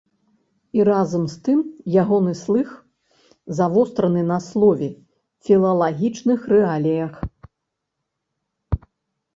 І разам з тым ягоны слых завостраны на слове, філалагічных рэаліях.